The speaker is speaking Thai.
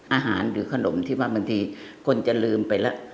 อาหารหรือขนมที่ว่าบางทีคนจะลืมไปแล้ว